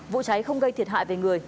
vụ cháy không gây thiệt hại về người